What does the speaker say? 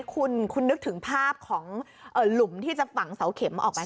คุณนึกถึงภาพของหลุมที่จะฝังเสาเข็มออกไหม